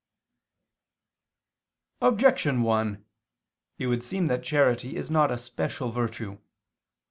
Objection 1: It would seem that charity is not a special virtue.